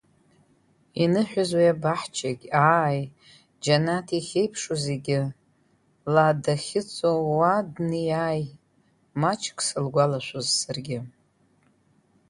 Иныҳәаз уи абаҳчагь, ааи, Џьанаҭ иахьеиԥшу зегьы, Ла дахьыҵоу уа днеи-ааи, Маҷк сылгәалашәоз саргьы.